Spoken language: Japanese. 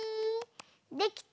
できた？